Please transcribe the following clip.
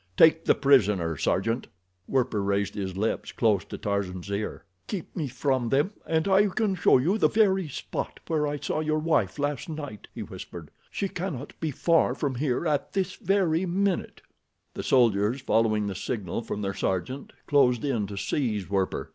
Take the prisoner, Sergeant!" Werper raised his lips close to Tarzan's ear. "Keep me from them, and I can show you the very spot where I saw your wife last night," he whispered. "She cannot be far from here at this very minute." The soldiers, following the signal from their sergeant, closed in to seize Werper.